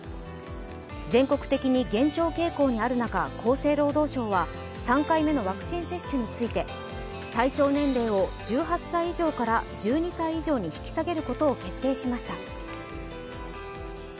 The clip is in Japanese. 全国的に減少傾向にある中厚生労働省は３回目のワクチン接種について対象年齢を１８歳以上から１２歳以上に引き下げることを決定しました。